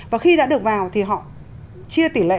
và khi đã được vào thì họ chia tỷ lệ